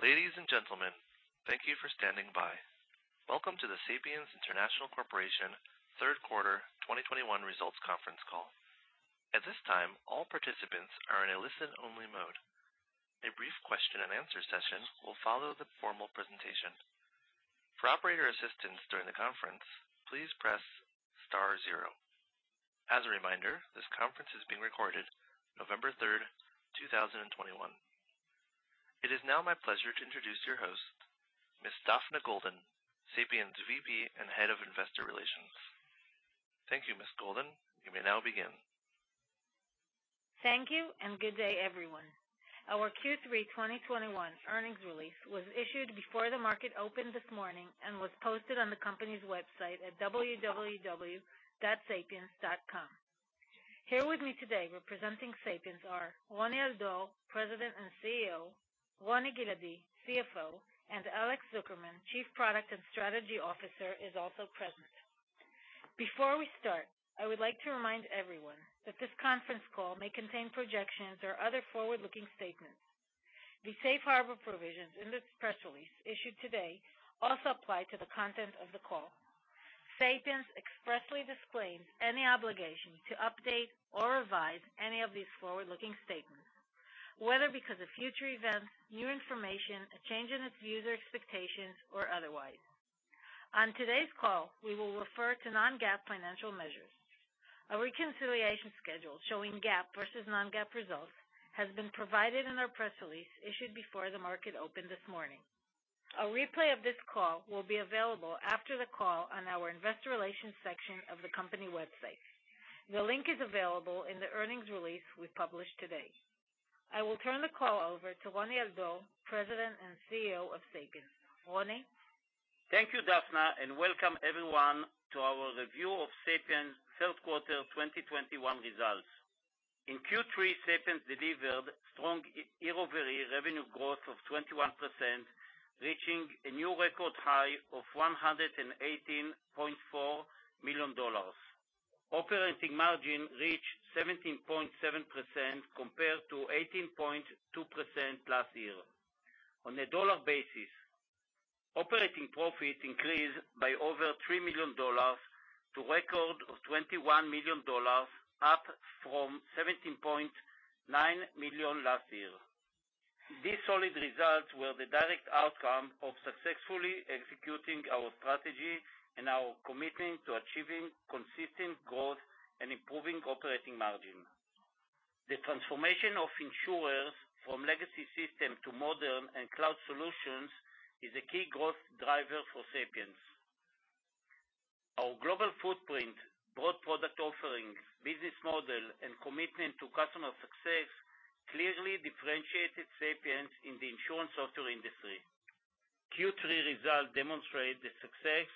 Ladies and gentlemen, thank you for standing by. Welcome to the Sapiens International Corporation Q3 2021 results conference call. At this time, all participants are in a listen-only mode. A brief Q&A session will follow the formal presentation. For operator assistance during the conference, please press star zero. As a reminder, this conference is being recorded November 3, 2021. It is now my pleasure to introduce your host, Ms. Daphna Golden, Sapiens Vice President and Head of Investor Relations. Thank you, Ms. Golden. You may now begin. Thank you and good day, everyone. Our Q3 2021 earnings release was issued before the market opened this morning and was posted on the company's website at www.sapiens.com. Here with me today representing Sapiens are Roni Al-Dor, President and Chief Executive Officer, Roni Giladi, Chief Financial Officer, and Alex Zukerman, Chief Product and Strategy Officer, is also present. Before we start, I would like to remind everyone that this conference call may contain projections or other forward-looking statements. The safe harbor provisions in this press release issued today also apply to the content of the call. Sapiens expressly disclaims any obligation to update or revise any of these forward-looking statements, whether because of future events, new information, a change in its views or expectations, or otherwise. On today's call, we will refer to non-GAAP financial measures. A reconciliation schedule showing GAAP versus non-GAAP results has been provided in our press release issued before the market opened this morning. A replay of this call will be available after the call on our investor relations section of the company website. The link is available in the earnings release we published today. I will turn the call over to Roni Al-Dor, President and Chief Executive Officer of Sapiens. Roni. Thank you, Daphna, and welcome everyone to our review of Sapiens Q3 2021 results. In Q3, Sapiens delivered strong year-over-year revenue growth of 21%, reaching a new record high of $118.4 million. Operating margin reached 17.7% compared to 18.2% last year. On a dollar basis, operating profits increased by over $3 million to record of $21 million, up from $17.9 million last year. These solid results were the direct outcome of successfully executing our strategy and our commitment to achieving consistent growth and improving operating margin. The transformation of insurers from legacy system to modern and cloud solutions is a key growth driver for Sapiens. Our global footprint, broad product offerings, business model, and commitment to customer success clearly differentiated Sapiens in the insurance software industry. Q3 results demonstrate the success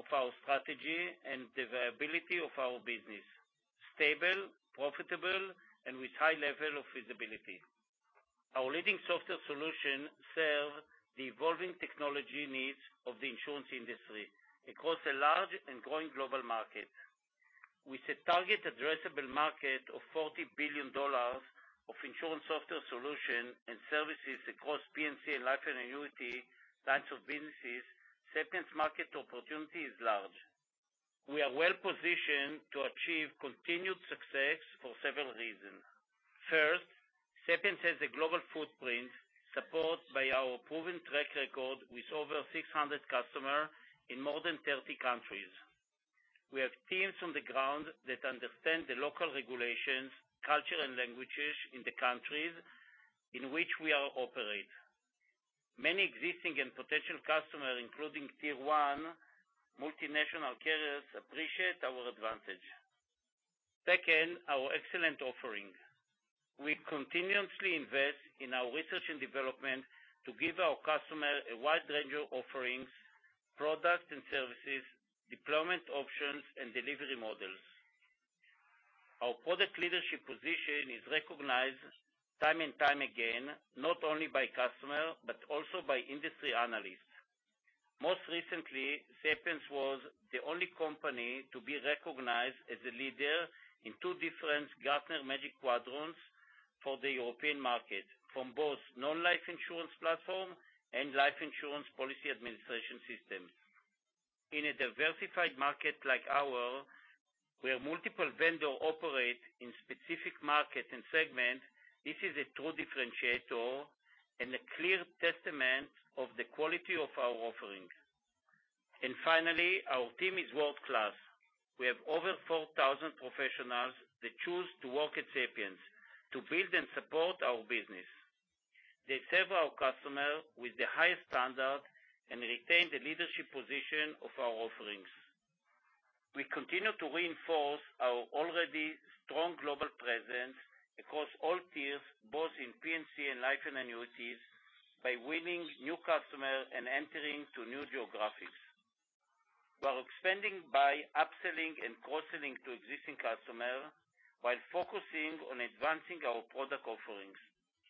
of our strategy and the viability of our business. Stable, profitable, and with high level of visibility. Our leading software solution serves the evolving technology needs of the insurance industry across a large and growing global market. With a target addressable market of $40 billion of insurance software solution and services across P&C and Life & Annuities lines of businesses, Sapiens market opportunity is large. We are well-positioned to achieve continued success for several reasons. First, Sapiens has a global footprint, supported by our proven track record with over 600 customers in more than 30 countries. We have teams on the ground that understand the local regulations, culture, and languages in the countries in which we operate. Many existing and potential customers, including tier one multinational carriers, appreciate our advantage. Second, our excellent offerings. We continuously invest in our research and development to give our customers a wide range of offerings, products and services, deployment options, and delivery models. Our product leadership position is recognized time and time again, not only by customers, but also by industry analysts. Most recently, Sapiens was the only company to be recognized as a leader in two different Gartner Magic Quadrants for the European market, from both Non-Life Insurance platform and Life Insurance Policy administration systems. In a diversified market like ours, where multiple vendors operate in specific markets and segments, this is a true differentiator and a clear testament of the quality of our offerings. Finally, our team is world-class. We have over 4,000 professionals that choose to work at Sapiens to build and support our business. They serve our customers with the highest standard and retain the leadership position of our offerings. We continue to reinforce our already strong global presence across all tiers, both in P&C and Life & Annuities, by winning new customers and entering new geographies while expanding by upselling and cross-selling to existing customers while focusing on advancing our product offerings.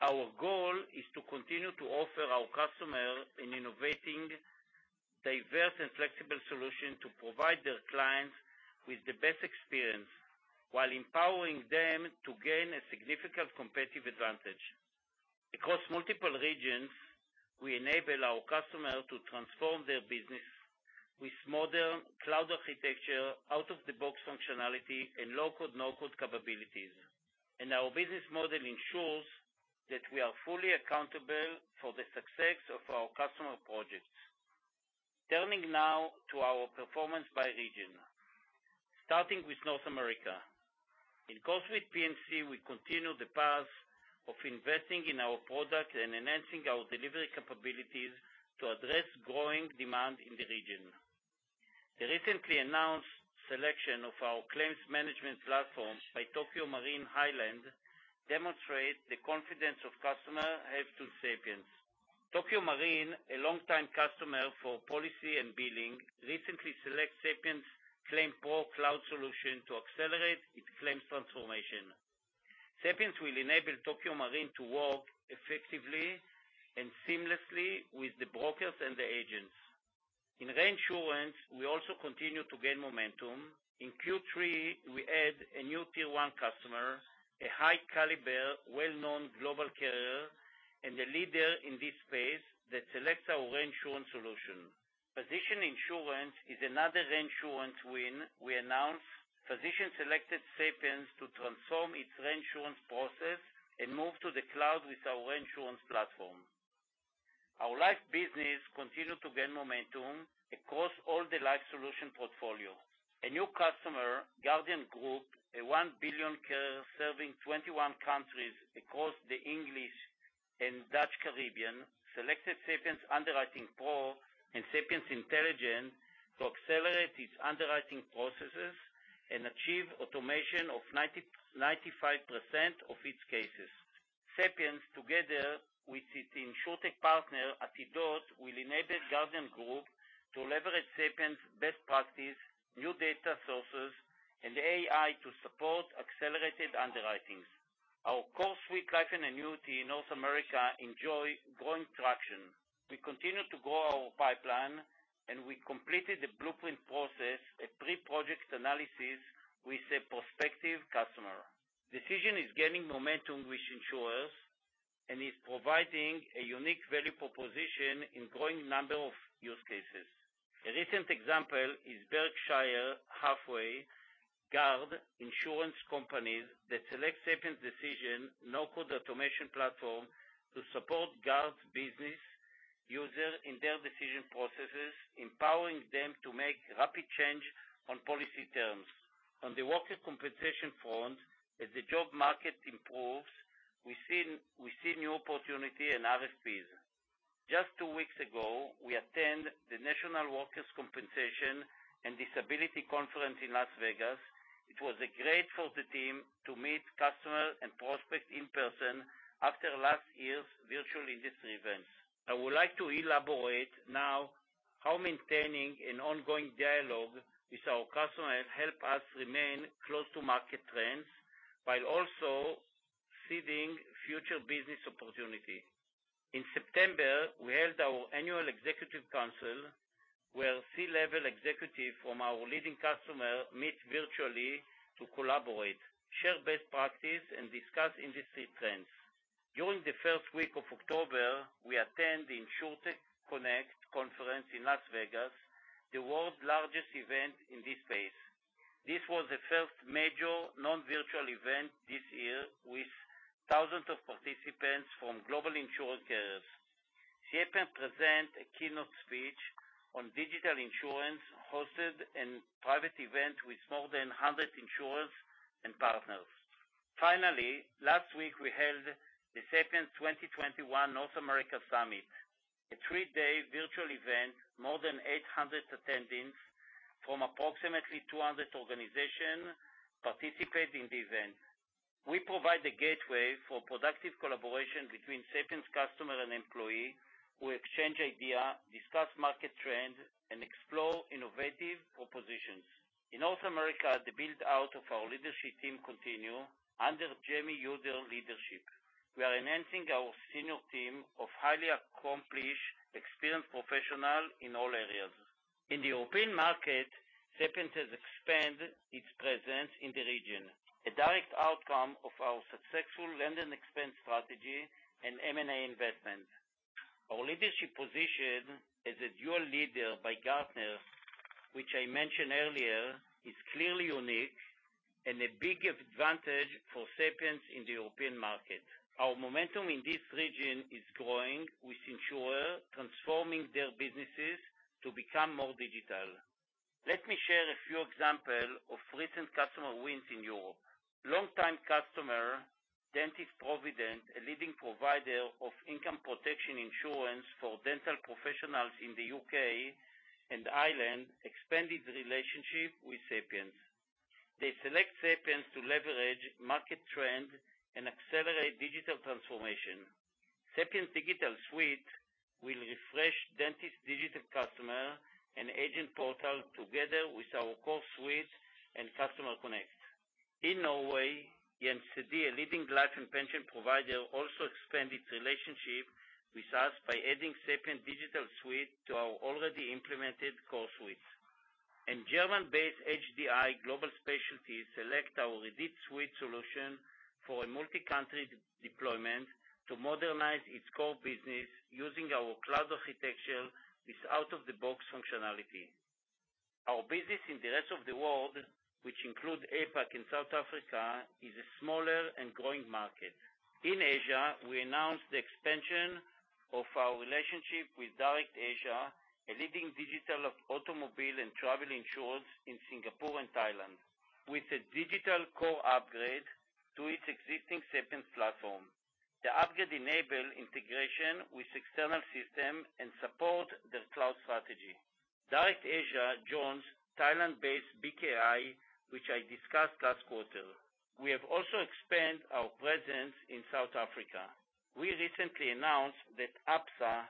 Our goal is to continue to offer our customers an innovative, diverse and flexible solution to provide their clients with the best experience, while empowering them to gain a significant competitive advantage. Across multiple regions, we enable our customers to transform their business with modern cloud architecture, out-of-the-box functionality, and low-code/no-code capabilities. Our business model ensures that we are fully accountable for the success of our customer projects. Turning now to our performance by region, starting with North America. In CoreSuite P&C, we continue the path of investing in our product and enhancing our delivery capabilities to address growing demand in the region. The recently announced selection of our claims management platform by Tokio Marine Highland demonstrates the confidence customers have in Sapiens. Tokio Marine, a longtime customer for policy and billing, recently selected Sapiens ClaimsPro cloud solution to accelerate its claims transformation. Sapiens will enable Tokio Marine to work effectively and seamlessly with the brokers and the agents. In reinsurance, we also continue to gain momentum. In Q3, we added a new tier one customer, a high caliber, well-known global carrier and a leader in this space that selected our reinsurance solution. Position Insurance is another reinsurance win we announced. Position selected Sapiens to transform its reinsurance process and move to the cloud with our reinsurance platform. Our life business continued to gain momentum across all the life solution portfolio. A new customer, Guardian Group, a $1 billion carrier serving 21 countries across the English and Dutch Caribbean, selected Sapiens UnderwritingPro and Sapiens Intelligence to accelerate its underwriting processes and achieve automation of 90%-95% of its cases. Sapiens, together with its InsurTech partner, Atidot, will enable Guardian Group to leverage Sapiens' best practice, new data sources, and AI to support accelerated underwritings. Our CoreSuite Life & Annuities in North America enjoy growing traction. We continue to grow our pipeline, and we completed the blueprint process, a pre-project analysis, with a prospective customer. Decision is gaining momentum with insurers and is providing a unique value proposition in growing number of use cases. A recent example is Berkshire Hathaway GUARD Insurance Company, that select Sapiens Decision no-code automation platform to support GUARD's business user in their decision processes, empowering them to make rapid change on policy terms. On the workers' compensation front, as the job market improves, we see new opportunity in RFPs. Just two weeks ago, we attend the National Workers' Compensation and Disability Conference in Las Vegas. It was a great for the team to meet customers and prospects in person after last year's virtual industry events. I would like to elaborate now how maintaining an ongoing dialogue with our customers help us remain close to market trends, while also seeding future business opportunity. In September, we held our annual executive council, where C-level executives from our leading customer meet virtually to collaborate, share best practices, and discuss industry trends. During the first week of October, we attend the InsureTech Connect conference in Las Vegas, the world's largest event in this space. This was the first major non-virtual event this year with thousands of participants from global insurance carriers. Sapiens presented a keynote speech on digital insurance, hosted in a private event with more than 100 insurers and partners. Finally, last week, we held the Sapiens 2021 North America Summit, a three-day virtual event. More than 800 attendees from approximately 200 organizations participated in the event. We provided the gateway for productive collaboration between Sapiens customers and employees, who exchanged ideas, discussed market trends, and explored innovative propositions. In North America, the build-out of our leadership team continues under Jamie Yoder leadership. We are enhancing our senior team of highly accomplished, experienced professionals in all areas. In the European market, Sapiens has expanded its presence in the region, a direct outcome of our successful land and expand strategy and M&A investment. Our leadership position as a dual leader in Gartner, which I mentioned earlier, is clearly unique and a big advantage for Sapiens in the European market. Our momentum in this region is growing with insurers transforming their businesses to become more digital. Let me share a few examples of recent customer wins in Europe. Long-time customer, Dentists' Provident, a leading provider of income protection insurance for dental professionals in the U.K. and Ireland, expanded relationship with Sapiens. They select Sapiens to leverage market trends and accelerate digital transformation. Sapiens DigitalSuite will refresh dentists' digital customer and agent portal together with our CoreSuite and CustomerConnect. In Norway, Gjensidige, a leading life and pension provider, also expand its relationship with us by adding Sapiens DigitalSuite to our already implemented CoreSuites. German-based HDI Global Specialty select our IDITSuite solution for a multi-country deployment to modernize its core business using our cloud architecture with out-of-the-box functionality. Our business in the rest of the world, which includes APAC and South Africa, is a smaller and growing market. In Asia, we announced the expansion of our relationship with DirectAsia, a leading digital provider of automobile and travel insurance in Singapore and Thailand, with a digital core upgrade to its existing Sapiens platform. The upgrade enables integration with external systems and support their cloud strategy. DirectAsia joins Thailand-based BKI, which I discussed last quarter. We have also expanded our presence in South Africa. We recently announced that Absa,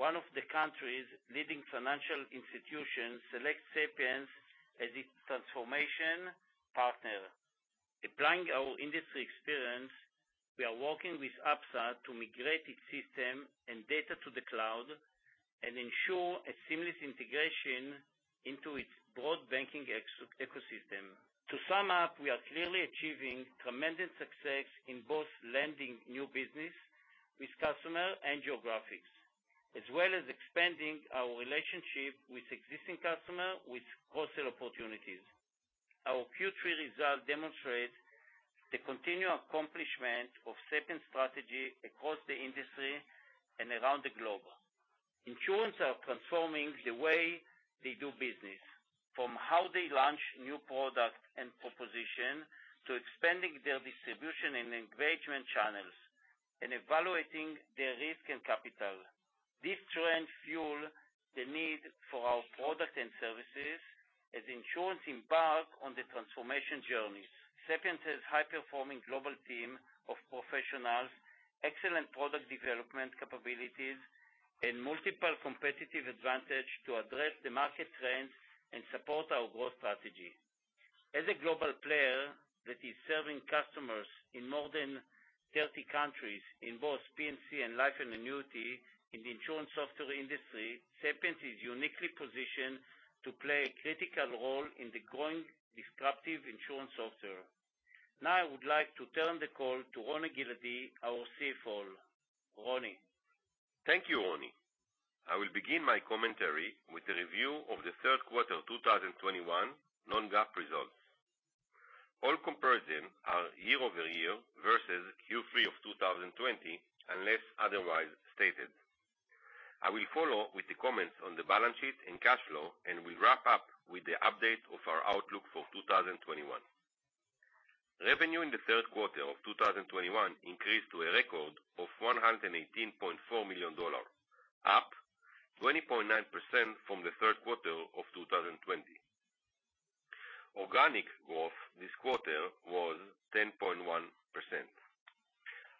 one of the country's leading financial institutions, selected Sapiens as its transformation partner. Applying our industry experience, we are working with Absa to migrate its systems and data to the cloud and ensure a seamless integration into its broad banking ecosystem. To sum up, we are clearly achieving tremendous success in both landing new business with customers and geographies, as well as expanding our relationship with existing customers with cross-sell opportunities. Our Q3 results demonstrate the continued accomplishment of Sapiens's strategy across the industry and around the globe. Insurers are transforming the way they do business, from how they launch new products and propositions to expanding their distribution and engagement channels and evaluating their risk and capital. This trend fuels the need for our products and services as insurers embark on the transformation journeys. Sapiens has high-performing global team of professionals, excellent product development capabilities, and multiple competitive advantages to address the market trends and support our growth strategy. As a global player that is serving customers in more than 30 countries in both P&C and life and annuity in the insurance software industry, Sapiens is uniquely positioned to play a critical role in the growing disruptive insurance software. Now I would like to turn the call to Roni Giladi, our Chief Financial Officer. Roni. Thank you, Roni. I will begin my commentary with a review of the Q3 2021 non-GAAP results. All comparisons are year-over-year versus Q3 of 2020, unless otherwise stated. I will follow with the comments on the balance sheet and cash flow, and we wrap up with the update of our outlook for 2021. Revenue in the Q3 of 2021 increased to a record of $118.4 million, up 20.9% from the Q3 of 2020. Organic growth this quarter was 10.1%.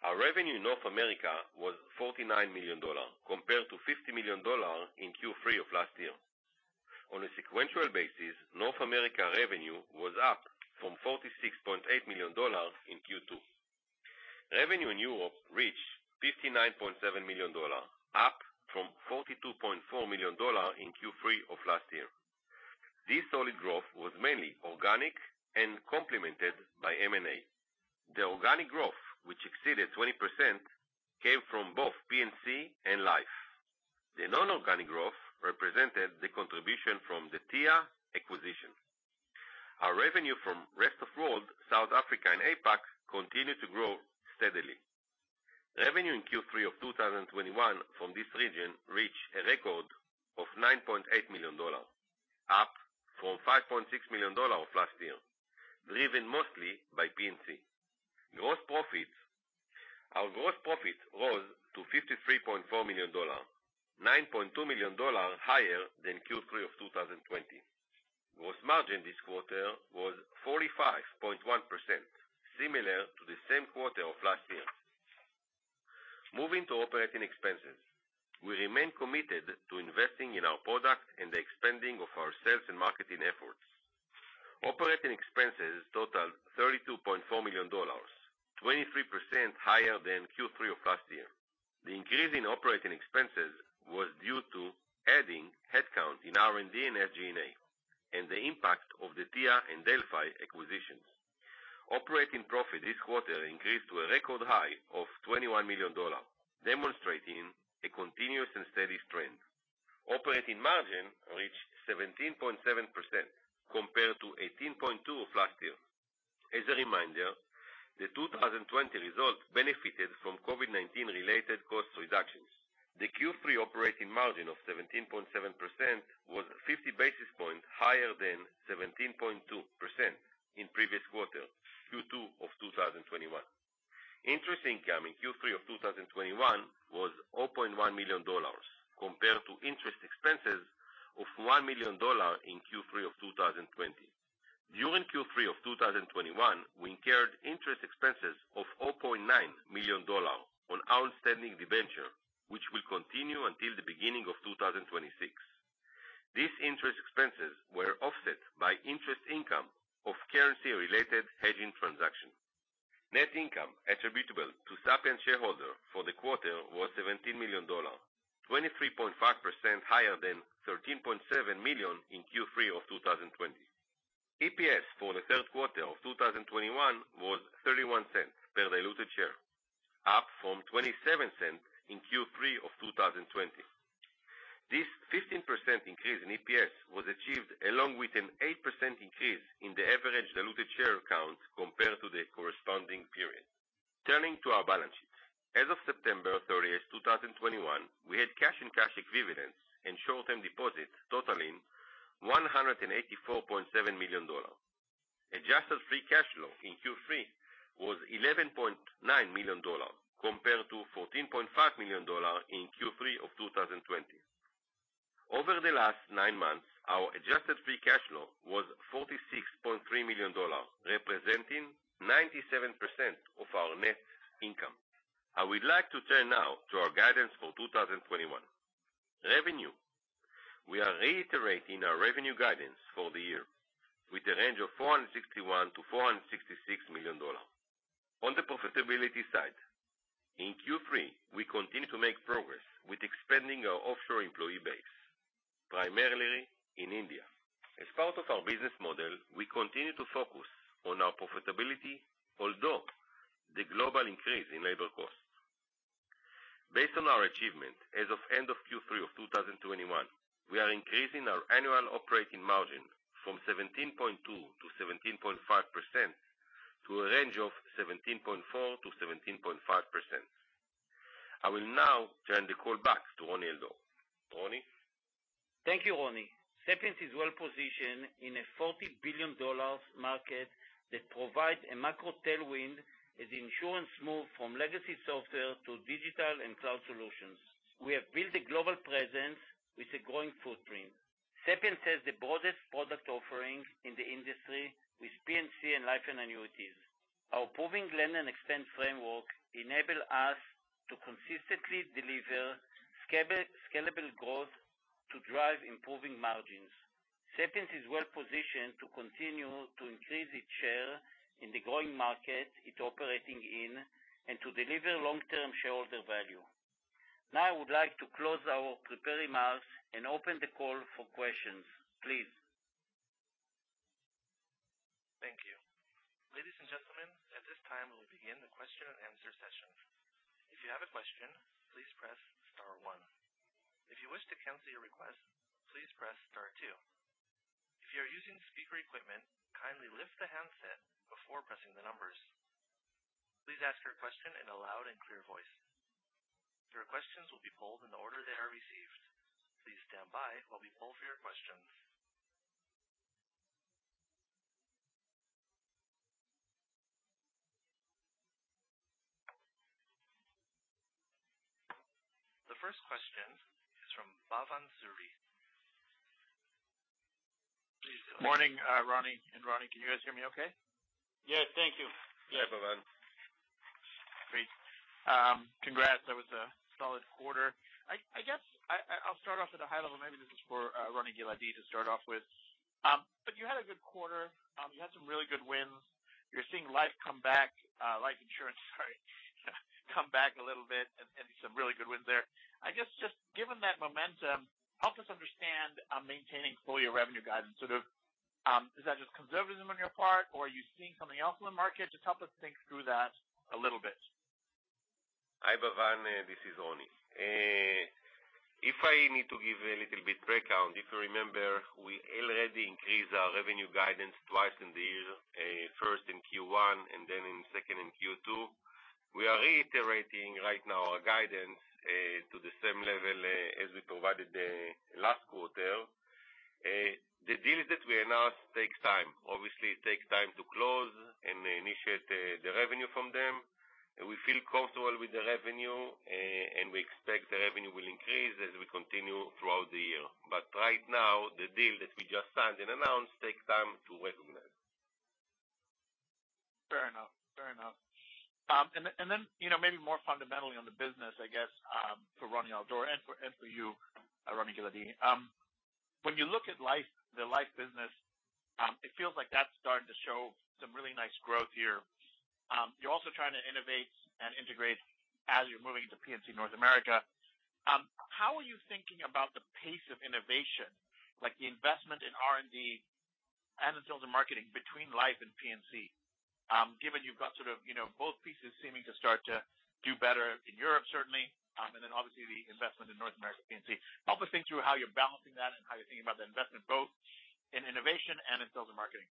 Our revenue in North America was $49 million compared to $50 million in Q3 of last year. On a sequential basis, North America revenue was up from $46.8 million in Q2. Revenue in Europe reached $59.7 million, up from $42.4 million in Q3 of last year. This solid growth was mainly organic and complemented by M&A. The organic growth, which exceeded 20%, came from both P&C and life. The non-organic growth represented the contribution from the Tia acquisition. Our revenue from rest of world, South Africa and APAC, continued to grow steadily. Revenue in Q3 of 2021 from this region reached a record of $9.8 million, up from $5.6 million of last year, driven mostly by P&C. Gross profit rose to $53.4 million, $9.2 million higher than Q3 of 2020. Gross margin this quarter was 45.1%, similar to the same quarter of last year. Moving to operating expenses. We remain committed to investing in our product and the expanding of our sales and marketing efforts. Operating expenses totaled $32.4 million, 23% higher than Q3 of last year. The increase in operating expenses was due to adding headcount in R&D and SG&A and the impact of the Tia and Delphi acquisitions. Operating profit this quarter increased to a record high of $21 million, demonstrating a continuous and steady trend. Operating margin reached 17.7% compared to 18.2% of last year. As a reminder, the 2020 results benefited from COVID-19 related cost reductions. The Q3 operating margin of 17.7% was 50 basis points higher than 17.2% in previous quarter, Q2 of 2021. Interest income in Q3 of 2021 was $4.1 million compared to interest expenses of $1 million in Q3 of 2020. During Q3 of 2021, we incurred interest expenses of $4.9 million on outstanding debenture, which will continue until the beginning of 2026. These interest expenses were offset by interest income of currency related hedging transactions. Net income attributable to Sapiens shareholders for the quarter was $17 million, 23.5% higher than $13.7 million in Q3 of 2020. EPS for the Q3 of 2021 was $0.31 per diluted share, up from $0.27 in Q3 of 2020. This 15% increase in EPS was achieved along with an 8% increase in the average diluted share count compared to the corresponding period. Turning to our balance sheet. As of September 30, 2021, we had cash and cash equivalents and short-term deposits totaling $184.7 million. Adjusted free cash flow in Q3 was $11.9 million compared to $14.5 million in Q3 of 2020. Over the last nine months, our adjusted free cash flow was $46.3 million, representing 97% of our net income. I would like to turn now to our guidance for 2021. Revenue. We are reiterating our revenue guidance for the year with a range of $461 million-$466 million. On the profitability side, in Q3, we continued to make progress with expanding our offshore employee base, primarily in India. As part of our business model, we continue to focus on our profitability, despite the global increase in labor costs. Based on our achievement as of end of Q3 of 2021, we are increasing our annual operating margin from 17.2%-17.5% to a range of 17.4%-17.5%. I will now turn the call back to Roni Al-Dor. Roni? Thank you, Roni. Sapiens is well positioned in a $40 billion market that provides a macro tailwind as insurers move from legacy software to digital and cloud solutions. We have built a global presence with a growing footprint. Sapiens has the broadest product offerings in the industry with P&C and Life & Annuities. Our proven land-and-expand framework enables us to consistently deliver scalable growth to drive improving margins. Sapiens is well positioned to continue to increase its share in the growing market it's operating in and to deliver long-term shareholder value. Now, I would like to close our prepared remarks and open the call for questions. Please. Thank you. Ladies and gentlemen, at this time, we'll begin the Q&A session. If you have a question, please press star one. If you wish to cancel your request, please press star two. If you are using speaker equipment, kindly lift the handset before pressing the numbers. Please ask your question in a loud and clear voice. Your questions will be pulled in the order they are received. Please stand by while we pull for your questions. The first question is from Bhavan Suri. Please go ahead. Morning, Roni and Roni. Can you guys hear me okay? Yes, thank you. Yeah, Bhavan. Great. Congrats. That was a solid quarter. I guess I'll start off at a high level. Maybe this is for Roni Giladi to start off with. You had a good quarter. You had some really good wins. You're seeing life come back, life insurance, sorry, come back a little bit and some really good wins there. I guess, just given that momentum, help us understand maintaining full year revenue guidance. Sort of, is that just conservatism on your part, or are you seeing something else in the market? Just help us think through that a little bit. Hi, Bhavan. This is Roni. If I need to give a little bit breakdown, if you remember, we already increased our revenue guidance twice in the year, first in Q1 and then in second in Q2. We are reiterating right now our guidance to the same level as we provided last quarter. The deals that we announced takes time. Obviously, it takes time to close and initiate the revenue from them. We feel comfortable with the revenue, and we expect the revenue will increase as we continue throughout the year. Right now, the deal that we just signed and announced takes time to recognize. Fair enough. You know, maybe more fundamentally on the business, I guess, for Roni Al-Dor and for you, Roni Giladi. When you look at life, the life business, it feels like that's starting to show some really nice growth here. You're also trying to innovate and integrate as you're moving into P&C North America. How are you thinking about the pace of innovation, like the investment in R&D and in sales and marketing between life and P&C, given you've got sort of, you know, both pieces seeming to start to do better in Europe, certainly, and then obviously the investment in North America P&C. Help us think through how you're balancing that and how you're thinking about the investment both in innovation and in sales and marketing.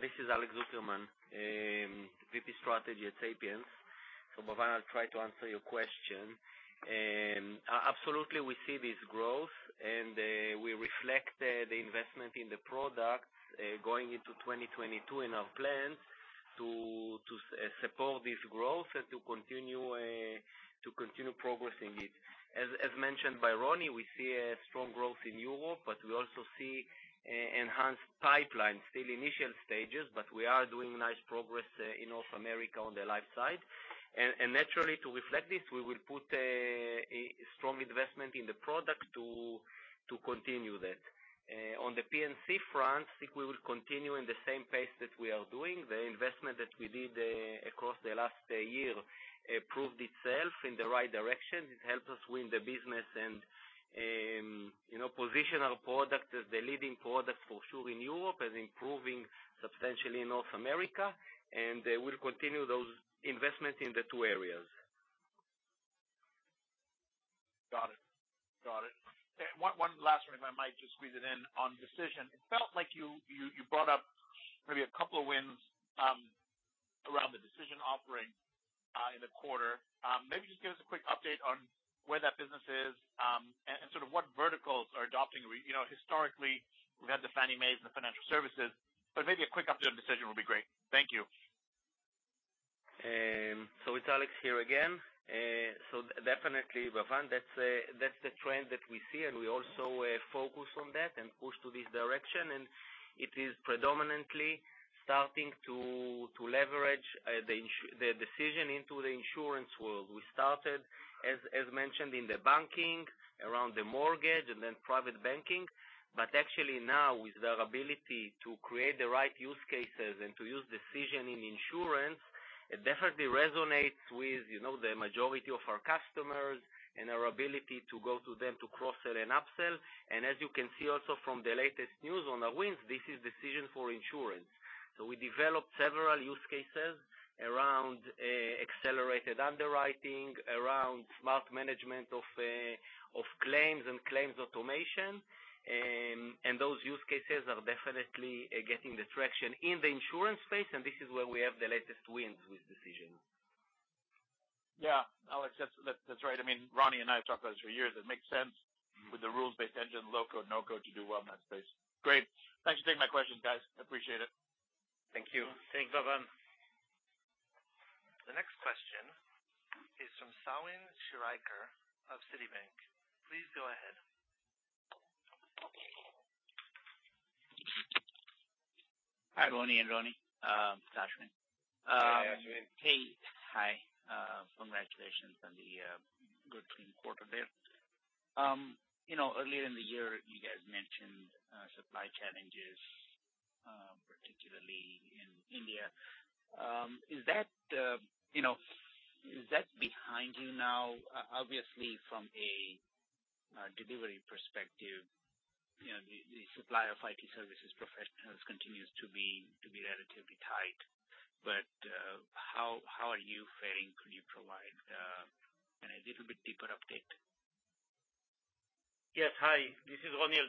This is Alex Zukerman, Vice President Strategy at Sapiens. Bhavan, I'll try to answer your question. Absolutely, we see this growth, and we reflect the investment in the products going into 2022 in our plans to support this growth and to continue progressing it. As mentioned by Roni, we see a strong growth in Europe, but we also see enhanced pipeline, still initial stages, but we are doing nice progress in North America on the life side. Naturally to reflect this, we will put a strong investment in the product to continue that. On the P&C front, I think we will continue in the same pace that we are doing. The investment that we did across the last year, it proved itself in the right direction. It helped us win the business and, you know, position our product as the leading product for sure in Europe and improving substantially in North America. We'll continue those investments in the two areas. Got it. One last one, if I might just squeeze it in on Decision. It felt like you brought up maybe a couple of wins around the Decision offering in the quarter. Maybe just give us a quick update on where that business is and sort of what verticals are adopting. You know, historically, we've had the Fannie Mae's, the financial services, but maybe a quick update on Decision would be great. Thank you. It's Alex here again. Definitely, Bhavan, that's the trend that we see, and we also focus on that and push to this direction. It is predominantly starting to leverage the Decision into the insurance world. We started, as mentioned in the banking, around the mortgage and then private banking. Actually now with their ability to create the right use cases and to use Decision in insurance, it definitely resonates with, you know, the majority of our customers and our ability to go to them to cross-sell and up-sell. As you can see also from the latest news on the wins, this is Decision for insurance. We developed several use cases around accelerated underwriting, around smart management of claims and claims automation. Those use cases are definitely gaining traction in the insurance space, and this is where we have the latest wins with Decision. Yeah. Alex, that's right. I mean, Roni and I have talked about it for years. It makes sense with the rules-based engine, low-code/no-code to do well in that space. Great. Thanks for taking my questions, guys. I appreciate it. Thank you. Thanks, Bhavan. The next question is from Ashwin Shirvaikar of Citigroup. Please go ahead. Hi, Roni and Roni. Ashwin. Hey, Ashwin. Hey. Hi. Congratulations on the good clean quarter there. You know, earlier in the year, you guys mentioned supply challenges, particularly in India. Is that, you know, is that behind you now? Obviously from a delivery perspective, you know, the supply of IT services professionals continues to be relatively tight. But how are you faring? Could you provide you know, a little bit deeper update? Hi, this is Roni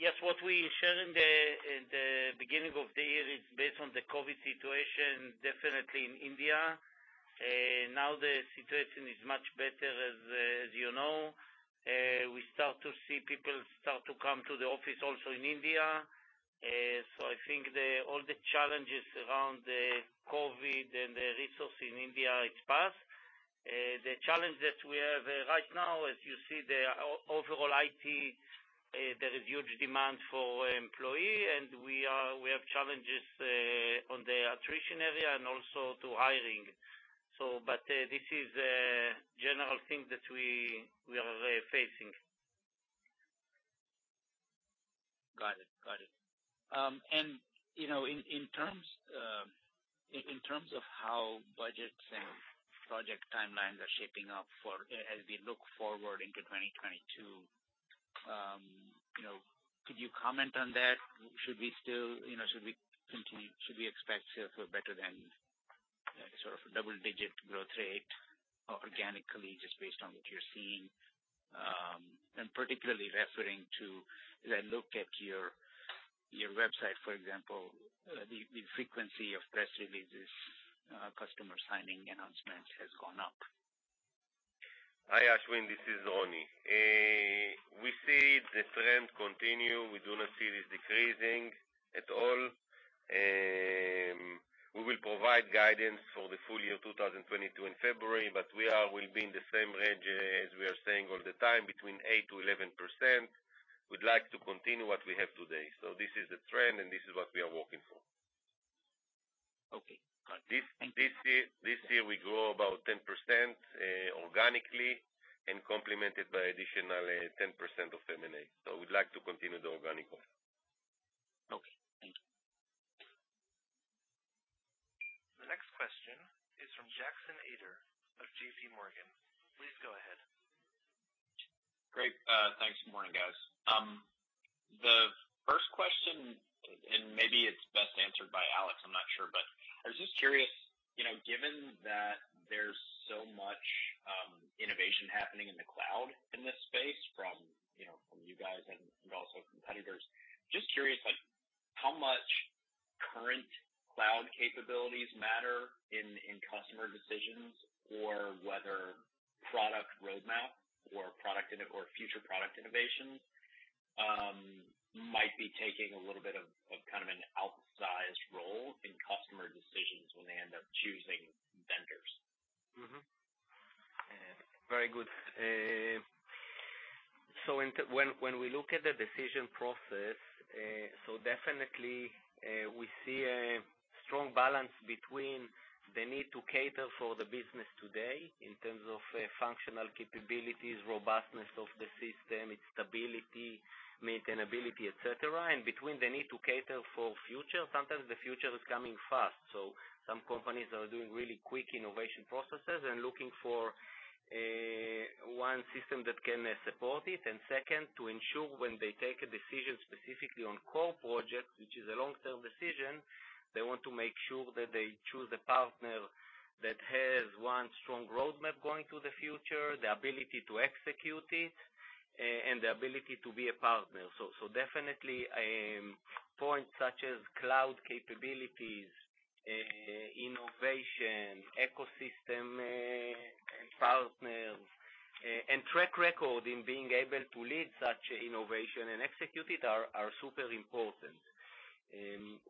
Al-Dor. What we shared in the beginning of the year is based on the COVID situation, definitely in India. Now the situation is much better as you know. We start to see people come to the office also in India. I think all the challenges around the COVID and the resources in India, it's passed. The challenge that we have right now, as you see the overall IT, there is huge demand for employees, and we have challenges in the attrition area and also in hiring. This is a general thing that we are facing. Got it. In terms of how budgets and project timelines are shaping up as we look forward into 2022, could you comment on that? Should we expect to feel better than sort of a double-digit growth rate organically just based on what you're seeing? I'm particularly referring to, as I look at your website, for example, the frequency of press releases, customer signing announcements has gone up. Hi, Ashwin. This is Roni. We see the trend continue. We do not see this decreasing at all. We will provide guidance for the full year 2022 in February, but we'll be in the same range as we are saying all the time, between 8%-11%. We'd like to continue what we have today. This is the trend and this is what we are working for. Okay. Got it. Thank you. This year we grow about 10% organically and complemented by additional 10% of M&A. We'd like to continue the organic growth. Okay. Thank you. The next question is from Jackson Ader of JPMorgan. Please go ahead. Great. Thanks. Good morning, guys. The first question, and maybe it's best answered by Alex, I'm not sure. I was just curious, you know, given that there's so much innovation happening in the cloud in this space from, you know, from you guys and also competitors, just curious, like how much current cloud capabilities matter in customer decisions or whether roadmap or product innovation or future product innovations might be taking a little bit of kind of an outsized role in customer decisions when they end up choosing vendors. Very good. When we look at the decision process, definitely we see a strong balance between the need to cater for the business today in terms of functional capabilities, robustness of the system, its stability, maintainability, et cetera, and between the need to cater for future. Sometimes the future is coming fast, so some companies are doing really quick innovation processes and looking for one system that can support it. Second, to ensure when they take a decision specifically on core projects, which is a long-term decision, they want to make sure that they choose a partner that has, one, strong roadmap going to the future, the ability to execute it, and the ability to be a partner. Definitely, points such as cloud capabilities, innovation, ecosystem, and partners, and track record in being able to lead such innovation and execute it are super important.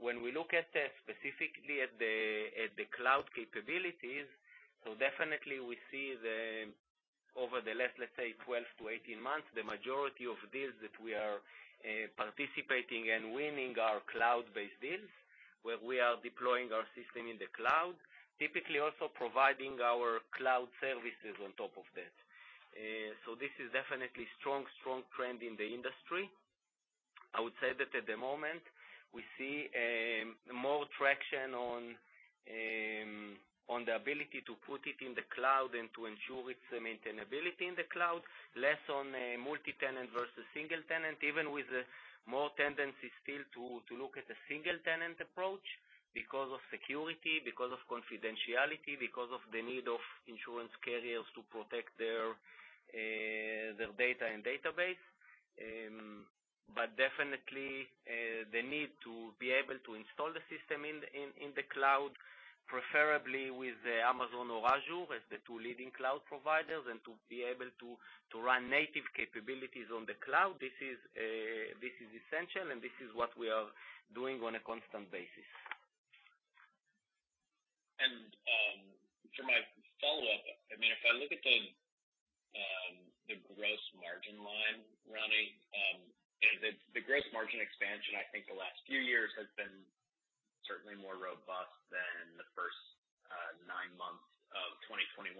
When we look at specifically the cloud capabilities, definitely we see over the last 12-18 months, the majority of deals that we are participating and winning are cloud-based deals, where we are deploying our system in the cloud, typically also providing our cloud services on top of that. This is definitely a strong trend in the industry. I would say that at the moment, we see more traction on the ability to put it in the cloud and to ensure its maintainability in the cloud. Lesson on multi-tenant versus single-tenant, even with more tendency still to look at the single-tenant approach because of security, because of confidentiality, because of the need of insurance carriers to protect their data and database. But definitely the need to be able to install the system in the cloud, preferably with Amazon or Azure, as the two leading cloud providers, and to be able to run native capabilities on the cloud. This is essential, and this is what we are doing on a constant basis. For my follow-up, I mean, if I look at the gross margin line, Roni, the gross margin expansion, I think the last few years has been certainly more robust than the first nine months of 2021.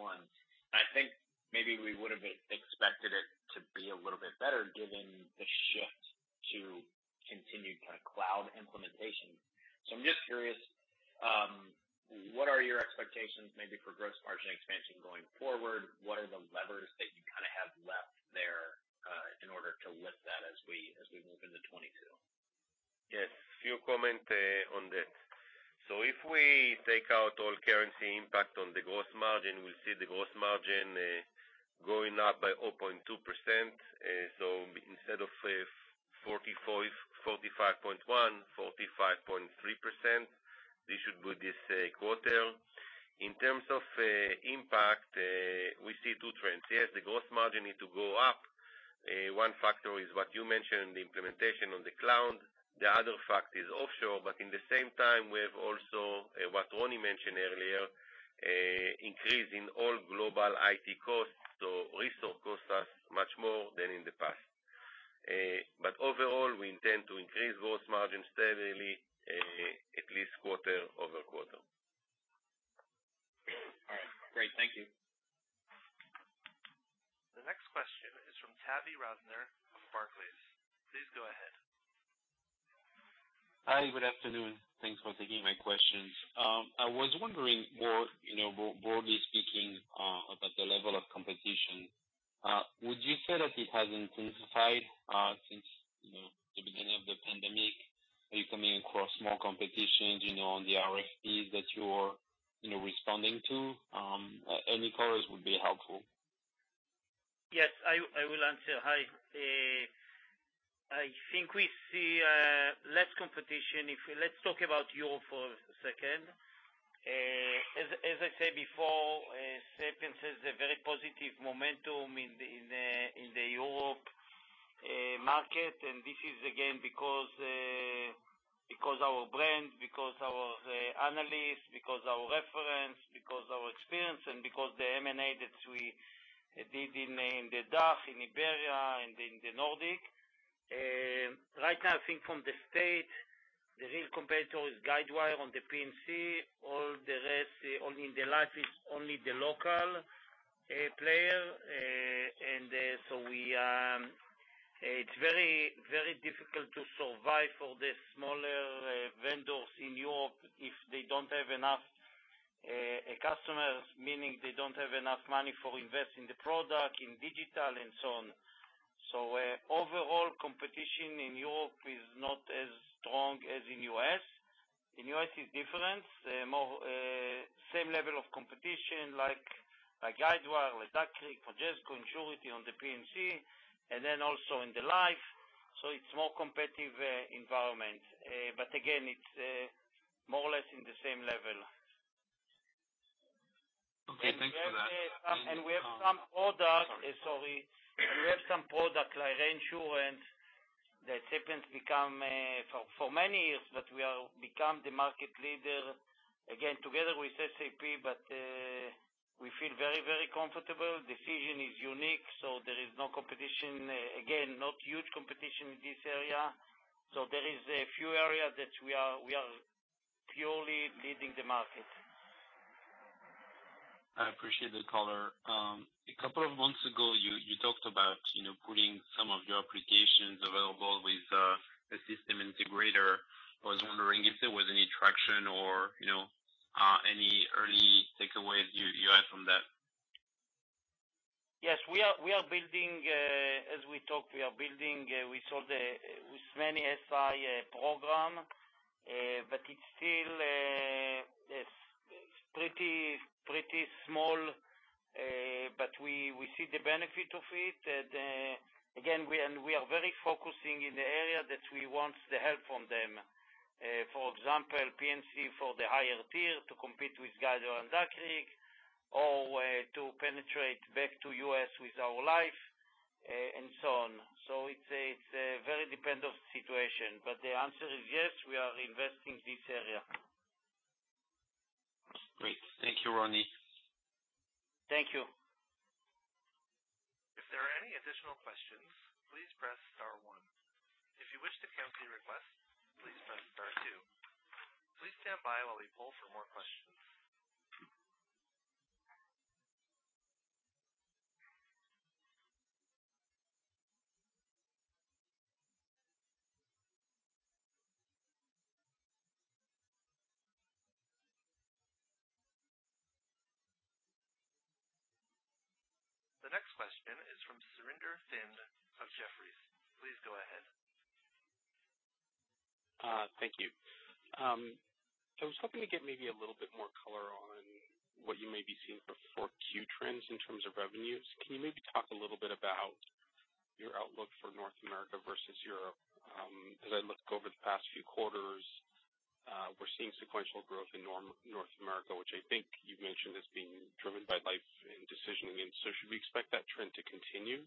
I think maybe we would have expected it to be a little bit better given the shift to continued kind of cloud implementation. I'm just curious, what are your expectations maybe for gross margin expansion going forward? What are the levers that you kind of have left there in order to lift that as we move into 2022? Yes. A few comments on that. If we take out all currency impact on the gross margin, we'll see the gross margin going up by 0.2%. So instead of 45.1%, 45.3%, this should be this quarter. In terms of impact, we see two trends. Yes, the gross margin need to go up. One factor is what you mentioned, the implementation on the cloud. The other factor is offshore, but in the same time, we have also what Roni mentioned earlier, increase in all global IT costs. Resources cost us much more than in the past. But overall, we intend to increase gross margin steadily, at least quarter-over-quarter. All right. Great. Thank you. The next question is from Tavy Rosner of Barclays. Please go ahead. Hi, good afternoon. Thanks for taking my questions. I was wondering more, you know, broadly speaking, about the level of competition, would you say that it has intensified since, you know, the beginning of the pandemic? Are you coming across more competitions, you know, on the RFPs that you're, you know, responding to? Any colors would be helpful. Yes, I will answer. Hi. I think we see less competition. Let's talk about Europe for a second. As I said before, Sapiens has a very positive momentum in Europe market. This is again because our brand, because our analysts, because our reference, because our experience, and because the M&A that we did in the DACH, in Iberia, and in the Nordic. Right now, I think from the standpoint, the real competitor is Guidewire on the P&C. All the rest in the life is only the local player. So we- It's very difficult to survive for the smaller vendors in Europe if they don't have enough customers, meaning they don't have enough money to invest in the product, in digital, and so on. Overall competition in Europe is not as strong as in U.S. In U.S., it's different. More same level of competition, like Guidewire, like Duck Creek, Majesco, Insurity on the P&C, and then also in the life. It's more competitive environment. Again, it's more or less in the same level. Okay, thanks for that. We have some products like reinsurance that has become for many years, but we have become the market leader again together with SAP, but we feel very comfortable. Decision is unique, so there is no competition. Again, not huge competition in this area. There is a few areas that we are purely leading the market. I appreciate the color. A couple of months ago, you talked about, you know, putting some of your applications available with a system integrator. I was wondering if there was any traction or, you know, any early takeaways you had from that? Yes, we are building as we talk with many SI programs, but it's still pretty small, but we see the benefit of it. Again, we are very focused in the area that we want the help from them. For example, P&C for the higher tier to compete with GEICO and Duck Creek or to penetrate back to U.S. with our life and so on. It's a very dependent situation, but the answer is yes, we are investing in this area. Great. Thank you, Roni. Thank you. If there are any additional questions, please press star one. If you wish to cancel your request, please press star two. Please stand by while we poll for more questions. The next question is from Surinder Thind of Jefferies. Please go ahead. Thank you. I was hoping to get maybe a little bit more color on what you may be seeing for 4Q trends in terms of revenues. Can you maybe talk a little bit about your outlook for North America versus Europe? As I look over the past few quarters, we're seeing sequential growth in North America, which I think you mentioned is being driven by life and decision. Should we expect that trend to continue?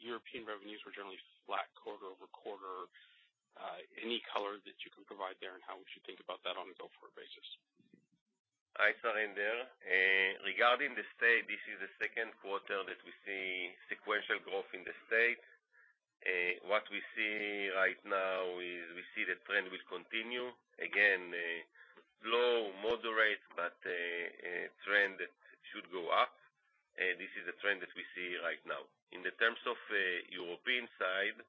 European revenues were generally flat quarter-over-quarter. Any color that you can provide there and how we should think about that on a go-forward basis. Hi, Surinder. Regarding the state, this is the Q2 that we see sequential growth in the state. What we see right now is we see the trend will continue. Again, low, moderate, but, a trend that should go up. This is a trend that we see right now. In terms of European side,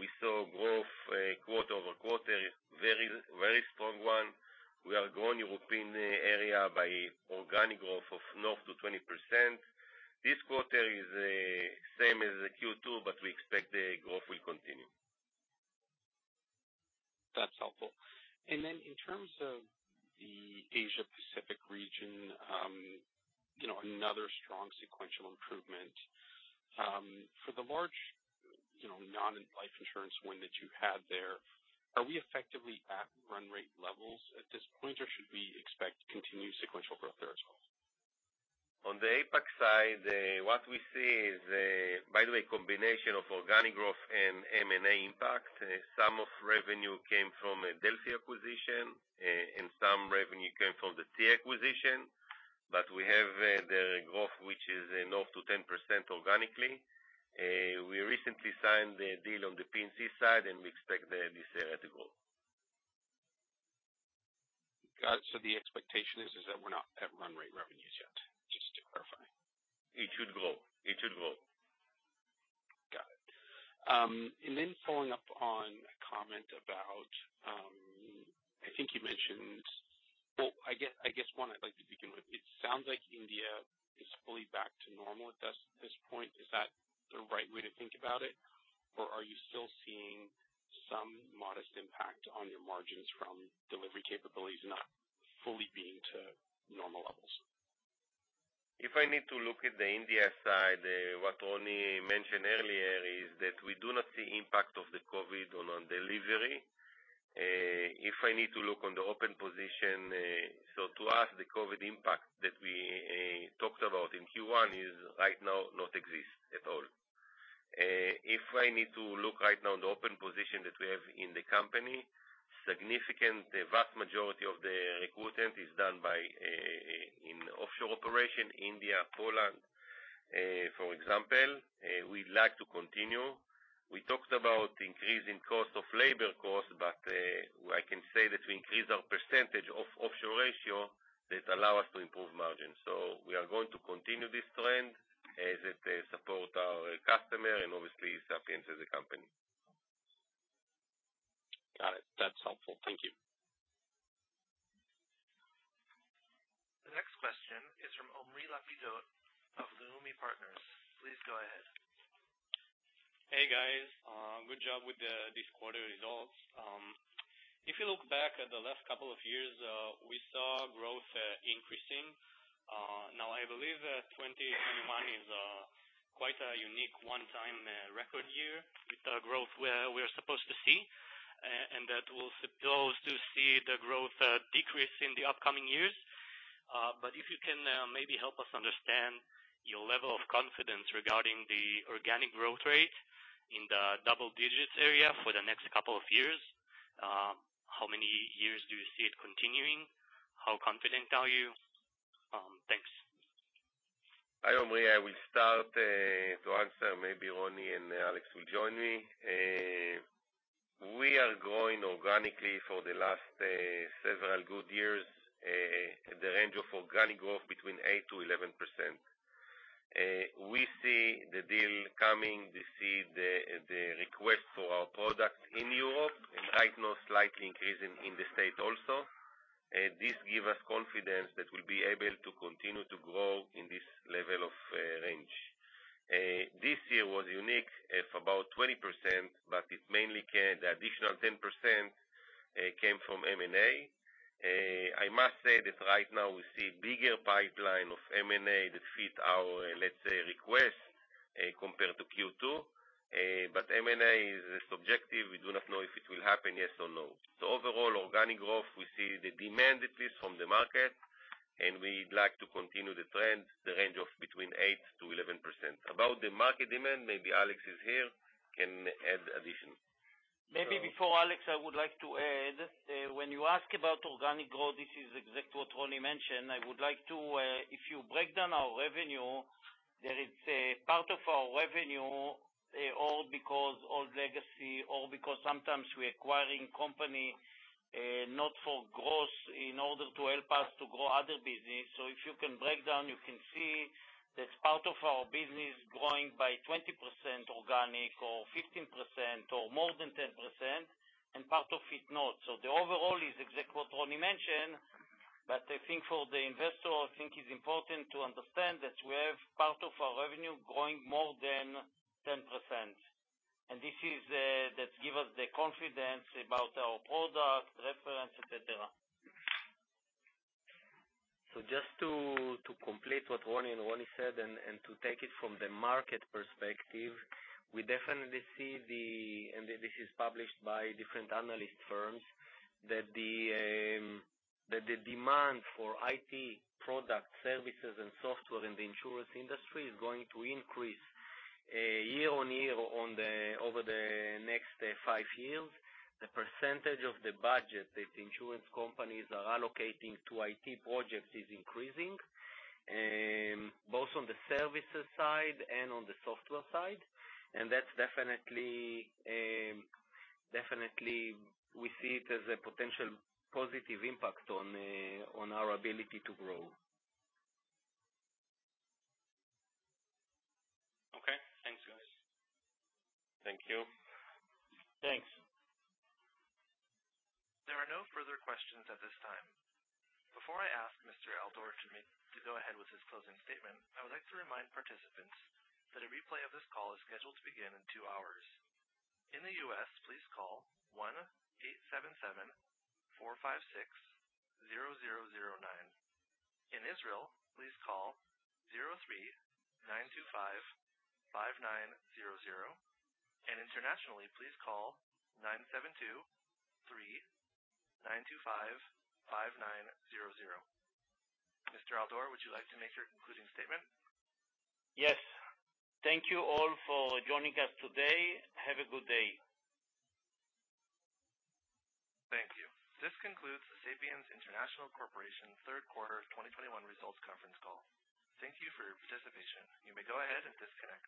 we saw growth quarter-over-quarter, very strong one. We are growing European area by organic growth of north of 20%. This quarter is same as the Q2, but we expect the growth will continue. That's helpful. In terms of the Asia Pacific region, you know, another strong sequential improvement. For the large, you know, non-life insurance win that you had there, are we effectively at run rate levels at this point, or should we expect continued sequential growth there as well? On the APAC side, what we see is, by the way, combination of organic growth and M&A impact. Some of revenue came from a Delphi acquisition, and some revenue came from the Tia acquisition. We have the growth, which is north of 10% organically. We recently signed the deal on the P&C side, and we expect this to grow. Got it. The expectation is that we're not at run rate revenues yet, just to clarify. It should grow. Got it. Following up on a comment about, I think you mentioned. Well, I guess one I'd like to begin with. It sounds like India is fully back to normal at this point. Is that the right way to think about it? Or are you still seeing some modest impact on your margins from delivery capabilities not fully being to normal levels? If I need to look at the India side, what Roni mentioned earlier is that we do not see impact of the COVID on our delivery. If I need to look on the open position, so to us, the COVID impact that we talked about in Q1 is right now not exist at all. If I need to look right now the open position that we have in the company, significant, the vast majority of the recruitment is done by in offshore operation, India, Poland, for example. We like to continue. We talked about increase in cost of labor, but I can say that we increase our percentage of offshore ratio that allow us to improve margin. We are going to continue this trend as it support our customer and obviously Sapiens as a company. Got it. That's helpful. Thank you. The next question is from Omri Lapidot of Leumi Partners. Please go ahead. Hey, guys. Good job with this quarter results. If you look back at the last couple of years, we saw growth increasing now I believe that 2021 is quite a unique one-time record year with the growth where we're supposed to see, and that we're supposed to see the growth decrease in the upcoming years. If you can maybe help us understand your level of confidence regarding the organic growth rate in the double digits area for the next couple of years, how many years do you see it continuing? How confident are you? Thanks. Hi, Omri. I will start to answer. Maybe Roni and Alex will join me. We are growing organically for the last several good years, the range of organic growth between 8%-11%. We see the deal coming, we see the request for our product in Europe, and right now slightly increasing in the States also. This give us confidence that we'll be able to continue to grow in this level of range. This year was unique for about 20%, but it. The additional 10% came from M&A. I must say that right now we see bigger pipeline of M&A that fit our, let's say, request, compared to Q2. M&A is subjective, we do not know if it will happen yes or no. Overall organic growth, we see the demand increase from the market, and we'd like to continue the trend, the range of between 8%-11%. About the market demand, maybe Alex is here, can add additional. Maybe before Alex, I would like to add, when you ask about organic growth, this is exactly what Roni mentioned. I would like to, if you break down our revenue, there is a part of our revenue that's all legacy because sometimes we acquire companies not for growth in order to help us to grow other business. If you can break down, you can see that part of our business growing by 20% organic or 15% or more than 10%, and part of it not. The overall is exactly what Roni mentioned, but I think for the investor, I think it's important to understand that we have part of our revenue growing more than 10%. This is that gives us the confidence about our product references, etc. Just to complete what Roni and Roni said, and to take it from the market perspective, we definitely see that this is published by different analyst firms, that the demand for IT products, services, and software in the insurance industry is going to increase year on year over the next five years. The percentage of the budget that insurance companies are allocating to IT projects is increasing both on the services side and on the software side. That's definitely we see it as a potential positive impact on our ability to grow. Okay. Thanks, guys. Thank you. Thanks. There are no further questions at this time. Before I ask Mr. Al-Dor to go ahead with his closing statement, I would like to remind participants that a replay of this call is scheduled to begin in two hours. In the U.S., please call 1-877-456-0009. In Israel, please call 03-925-5900. Internationally, please call 972-3-925-5900. Mr. Al-Dor, would you like to make your concluding statement? Yes. Thank you all for joining us today. Have a good day. Thank you. This concludes the Sapiens International Corporation Q3 of 2021 results conference call. Thank you for your participation. You may go ahead and disconnect.